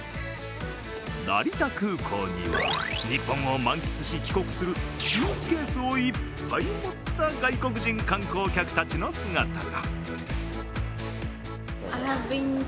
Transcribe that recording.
成田空港には日本を満喫し帰国するスーツケースをいっぱい持った外国人観光客たちの姿が。